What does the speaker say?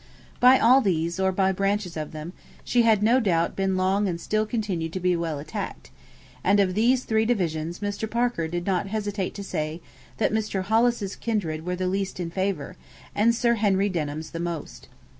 By all these, or by branches of them, she had, no doubt, been long and still continued to be well attacked; and of these three divisions Mr. Parker did not hesitate to say that Mr. Hollis's kindred were the least in favour, and Sir Harry Denham's the most.